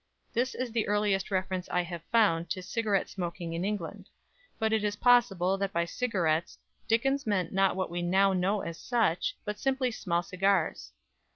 This is the earliest reference I have found to cigarette smoking in England; but it is possible that by "cigarettes" Dickens meant not what we now know as such, but simply small cigars.